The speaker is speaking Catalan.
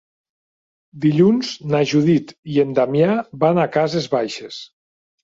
Dilluns na Judit i en Damià van a Cases Baixes.